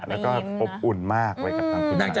แล้วก็อบอุ่นมากเลยกับทางคุณภาษาพิทธิวิต